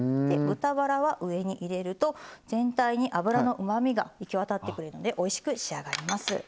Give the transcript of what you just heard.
豚バラは上に入れると全体に脂のうまみが行き渡ってくれるのでおいしく仕上がります。